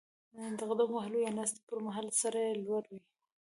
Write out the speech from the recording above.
د قدم وهلو یا ناستې پر مهال سر یې لوړ وي.